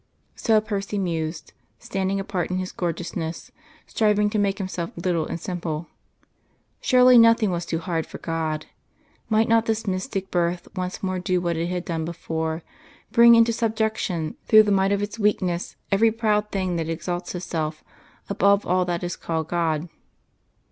So Percy mused, standing apart in his gorgeousness, striving to make himself little and simple. Surely nothing was too hard for God! Might not this mystic Birth once more do what it had done before bring into subjection through the might of its weakness every proud thing that exalts itself above all that is called God?